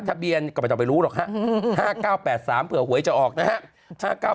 ทะเบียนก็ไม่ต้องไปรู้หรอกฮะ๕๙๘๓เผื่อหวยจะออกนะครับ